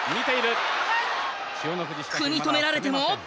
組み止められても。